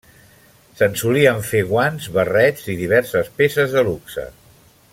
Se'n solien fer guants, barrets i diverses peces de luxe.